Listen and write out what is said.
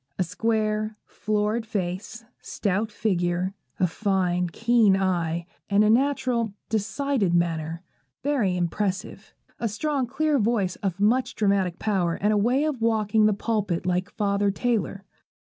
A square, florid face, stout figure, a fine keen eye, and a natural, decided manner, very impressive. A strong, clear voice of much dramatic power, and a way of walking the pulpit like Father Taylor.